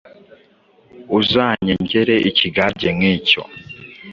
Uzanyengere ikigage nk’icyo.